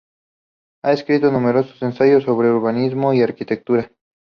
Ha escrito numerosos ensayos sobre urbanismo y arquitectura.